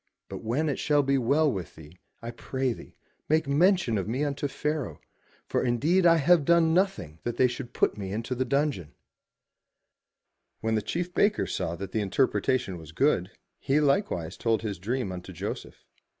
But when it shall be well with thee, I pray thee, make mention of me unto Pharaoh, for indeed I have done nothing that they should put me into the dungeon/' When the chief baker saw that the interpretation was good, he likewise told his dream unto Joseph.